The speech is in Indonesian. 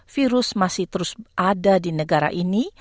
virus masih terus ada di negara negara